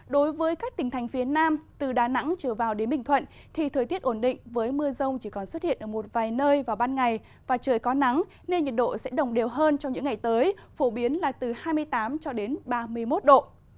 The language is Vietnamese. đối với các tỉnh thành phía nam từ đà nẵng trở vào đến bình thuận thì thời tiết ổn định với mưa rông chỉ còn xuất hiện ở một vài nơi vào ban ngày và trời có nắng nên nhiệt độ sẽ đồng đều hơn trong những ngày tới phổ biến là từ hai mươi tám cho đến ba mươi một độ